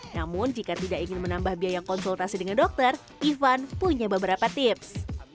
namun jika tidak ingin menambah biaya konsultasi dengan dokter ivan punya beberapa tips